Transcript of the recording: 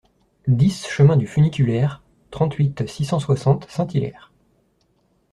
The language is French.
dix chemin du Funiculaire, trente-huit, six cent soixante, Saint-Hilaire